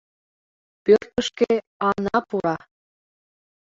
Пӧртышкӧ Ана пура.